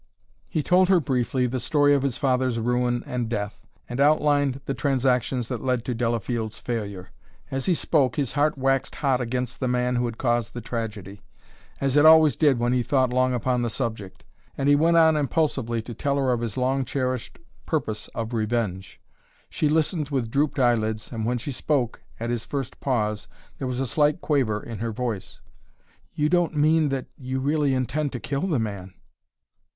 He told her briefly the story of his father's ruin and death, and outlined the transactions that led to Delafield's failure. As he spoke his heart waxed hot against the man who had caused the tragedy, as it always did when he thought long upon the subject, and he went on impulsively to tell her of his long cherished purpose of revenge. She listened with drooped eyelids, and when she spoke, at his first pause, there was a slight quaver in her voice. "You don't mean that you really intend to kill the man?"